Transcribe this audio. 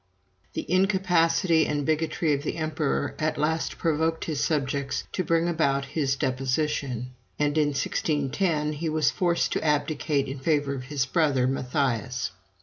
The incapacity and bigotry of the emperor at last provoked his subjects to bring about his deposition, and, in 1610, he was forced to abdicate in favor of his brother Matthias.